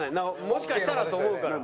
もしかしたらと思うから。